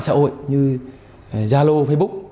xã hội như zalo facebook